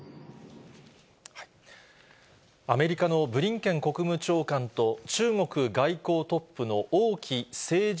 アメリカのブリンケン国務長官と、中国外交トップの王毅政治